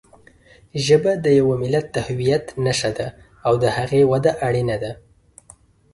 ژبه د یوه ملت د هویت نښه ده او د هغې وده اړینه ده.